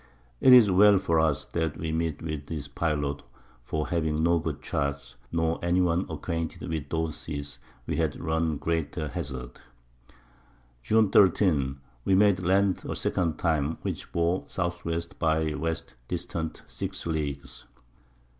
It is well for us, that we met with this Pilot, for having no good Charts, nor any one acquainted with those Seas, we had run greater Hazards. June 13. We made Land a second time, which bore S. W. by W. distant 6 Leagues.